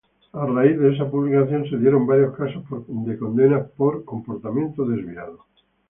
A raíz de esa publicación se dieron varios casos de condenas por "comportamiento desviado".